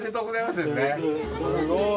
すごい。